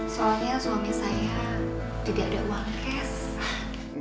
soalnya suami saya tidak ada uang cash